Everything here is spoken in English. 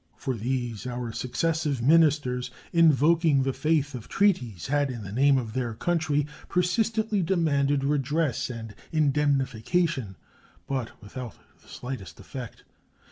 For these our successive ministers, invoking the faith of treaties, had in the name of their country persistently demanded redress and indemnification, but without the slightest effect.